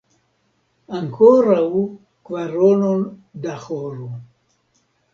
Ankoraŭ kvarono da horo.